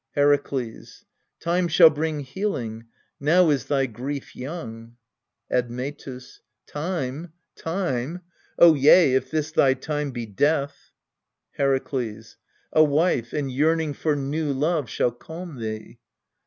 Herakles, Time shall bring healing : now is thy grief young. Admetus. Time time ? Oh, yea, if this thy Time be Death ! Herakles. A wife, and yearning for new love, shall calm thee.